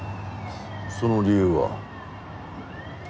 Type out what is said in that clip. その理由は？